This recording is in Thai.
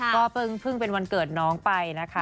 ก็เพิ่งเป็นวันเกิดน้องไปนะคะ